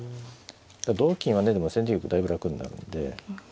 同金はねでも先手玉だいぶ楽になるんで。